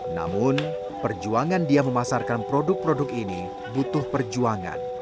namun perjuangan dia memasarkan produk produk ini butuh perjuangan